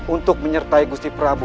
untuk menyertai gusti prabu